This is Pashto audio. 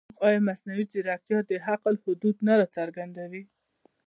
ایا مصنوعي ځیرکتیا د عقل حدود نه راڅرګندوي؟